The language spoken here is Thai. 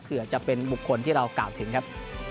เผื่อจะเป็นบุคคลที่เรากล่าวถึงครับ